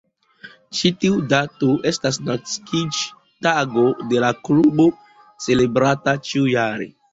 Ĉi tiu dato estas naskiĝtago de la Klubo, celebrata ĉiujare.